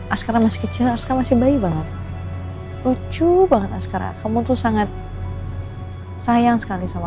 askara masih kecil aska masih bayi banget lucu banget askara kamu tuh sangat sayang sekali sama